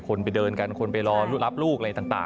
คนไปเดินกันคนไปรอรับลูกอะไรต่าง